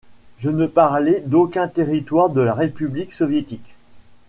Je ne parlais d'aucun territoire de la République soviétique.